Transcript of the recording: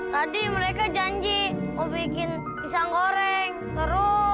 tadi mereka janji mau bikin pisang goreng terus